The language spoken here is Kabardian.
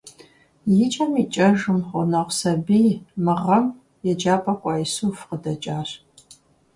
Икӏэм икӏэжым, гъунэгъу сабий - мы гъэм еджапIэм кӏуа Исуф - къыдэкӏащ.